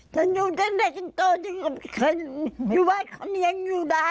ฉันอยู่ตั้งแต่เล็กกว่าโตไม่เคยอยู่บ้านเข้าเนียงอยู่ได้